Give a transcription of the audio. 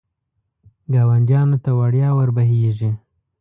ګاونډیانو ته وړیا ور بهېږي.